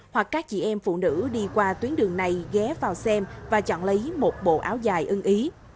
hoặc các chị em phụ nữ đi qua tuyến đường này ghé vào xem và chọn lấy một bộ áo dài ưng ý